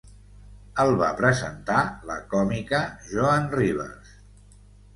El va presentar la còmica Joan Rivers.